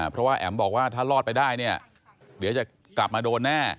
เพราะว่าแอ๋มบอกว่าถ้ารอดไปได้เนี่ยเดี๋ยวจะกลับมาโดนแน่